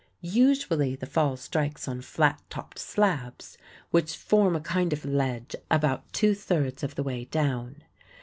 Usually the fall strikes on flat topped slabs, which form a kind of ledge about two thirds of the way down.